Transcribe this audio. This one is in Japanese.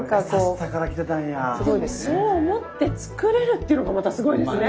そう思ってつくれるってのがまたすごいですね。